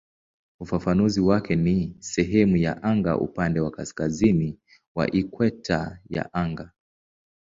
Ufafanuzi wake ni "sehemu ya anga upande wa kaskazini wa ikweta ya anga".